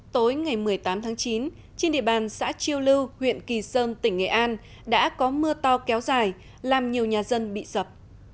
tối ngày một mươi tám tháng chín trên địa bàn xã chiêu lưu huyện kỳ sơn tỉnh nghệ an đã có mưa to kéo dài làm nhiều nhà dân bị sập